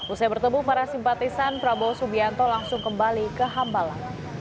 usai bertemu para simpatisan prabowo subianto langsung kembali ke hambalang